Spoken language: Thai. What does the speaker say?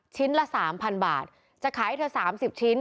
ชิ้นละสามพันบาทจะขายให้เธอสามสิบชิ้น